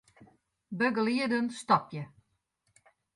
Begelieden stopje.